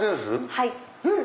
はい。